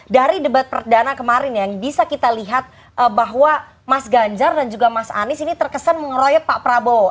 dari debat perdana kemarin yang bisa kita lihat bahwa mas ganjar dan juga mas anies ini terkesan mengeroyok pak prabowo